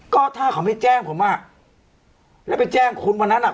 ก็ถ้าเขาไม่แจ้งผมอ่ะแล้วไปแจ้งคุณวันนั้นอ่ะ